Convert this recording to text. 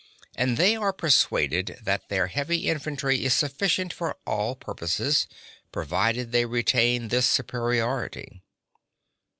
And they are persuaded that their heavy infantry is sufficient for all purposes, provided they retain this superiority.